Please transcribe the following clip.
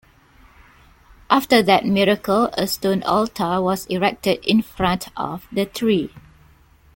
After that miracle a stone altar was erected in front of the tree.